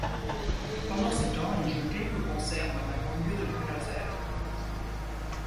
Pendant ce temps, ils jouent quelques concerts dans la banlieue de Buenos Aires.